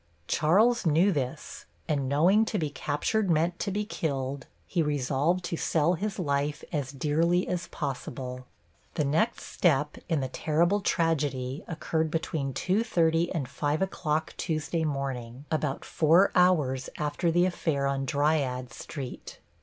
Charles knew this, and knowing to be captured meant to be killed, he resolved to sell his life as dearly as possible. The next step in the terrible tragedy occurred between 2:30 and 5 o'clock Tuesday morning, about four hours after the affair on Dryades Street.